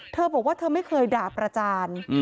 เธอบอกว่าเธอไม่เคยด่าประจาน